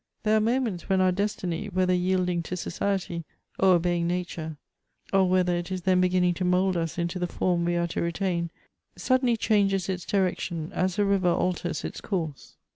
There are moments when our destiny, whether yielding to society, or obeying' nature, or whether it is then beginning to mould us into the form we are to retain, suddenly changes its direction, as a riyer alters its course.